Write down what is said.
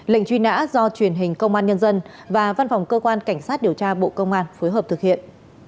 lệnh truy nã do truyền hình công an nhân dân và văn phòng cơ quan cảnh sát điều tra bộ công an phối hợp thực hiện